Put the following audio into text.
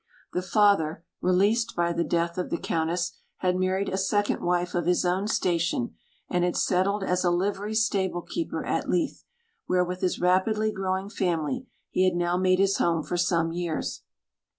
The father, released by the death of the Countess, had married a second wife of his own station, and had settled as a livery stable keeper at Leith, where, with his rapidly growing family, he had now made his home for some years.